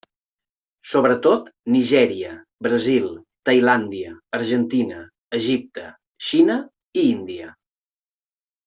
Sobretot Nigèria, Brasil, Tailàndia, Argentina, Egipte, Xina i Índia.